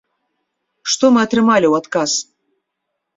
Што мы атрымалі ў адказ?